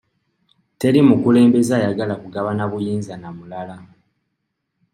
Teri mukulembeze ayagala kugabana buyinza na mulala.